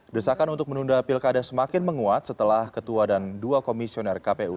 desakan untuk menunda pilkada semakin menguat setelah ketua dan dua komisioner kpu